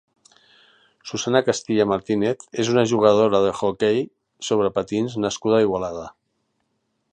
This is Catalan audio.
Susanna Castilla Martínez és una jugadora d'hoquei sobre patins nascuda a Igualada.